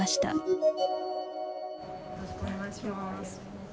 よろしくお願いします。